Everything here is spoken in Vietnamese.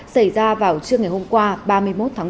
xảy ra vào trưa ngày hôm qua ba mươi một tháng một